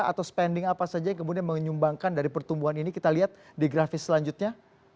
atau spending apa saja yang kemudian menyumbangkan dari pertumbuhan ini kita lihat di grafis selanjutnya